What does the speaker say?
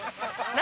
何？